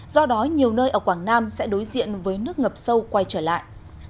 do đó nhiều nơi ở quảng nam sẽ đối diện với nước ngập sâu quay trở lại